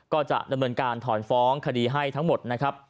ก็จะดำเนินการถอนฟ้องคดีให้ทั้งหมดนะครับ